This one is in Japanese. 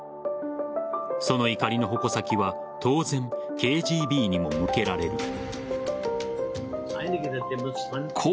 その怒りの矛先は当然、ＫＧＢにも向けられる。